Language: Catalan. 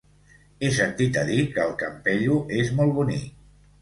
He sentit a dir que el Campello és molt bonic.